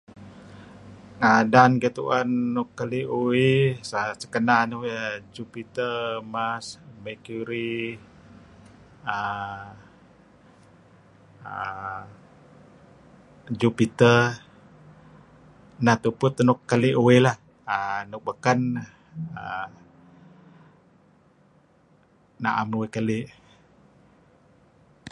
Ngadan gituen m nuk keli' uih sekenan uih Jupiter, Mars, Mercury uhm Jupiter. Neh tupu teh nuk keli' uih lah. uhm nuk baken naem neh uih keli'.